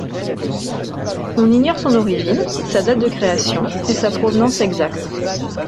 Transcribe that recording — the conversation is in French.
On ignore son origine, sa date de création et sa provenance exacte.